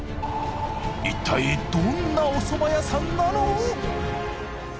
いったいどんなおそば屋さんなの？